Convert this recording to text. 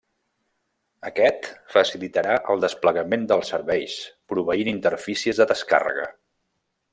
Aquest facilitarà el desplegament dels serveis proveint interfícies de descàrrega.